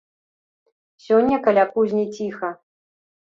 Сёння каля кузні ціха.